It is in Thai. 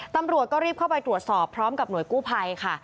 ตำรวจก็รีบเข้าไปตรวจสอบพร้อมกับหน่วยกู้ภัยค่ะ